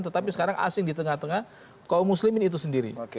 tetapi sekarang asing di tengah tengah kaum muslimin itu sendiri